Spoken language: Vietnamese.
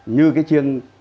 như cái chiêng